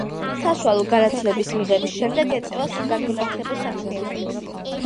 საშუალო განათლების მიღების შემდეგ ეწევა საგანმანათლებლო საქმიანობას.